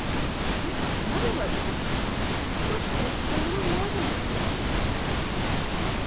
Then you take another rope with a slip knot, and push this a little more than half way up the trunk.